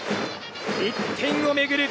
１点を巡る